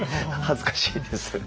恥ずかしいです。